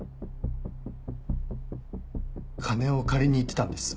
金を借りに行ってたんです。